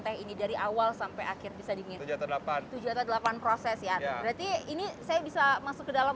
teh ini dari awal sampai akhir bisa diminta tujuh atau delapan proses ya berarti ini saya bisa masuk ke dalam